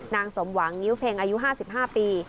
สมหวังงิ้วเพ็งอายุ๕๕ปี